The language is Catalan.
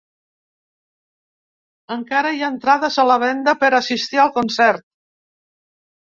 Encara hi ha entrades a la venda per assistir al concert.